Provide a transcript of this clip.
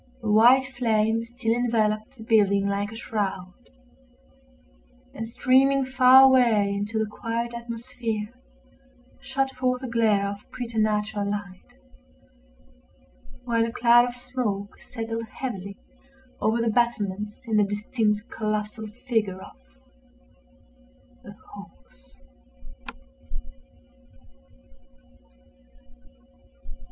A white flame still enveloped the building like a shroud, and, streaming far away into the quiet atmosphere, shot forth a glare of preternatural light; while a cloud of smoke settled heavily over the battlements in the distinct colossal figure of—a horse.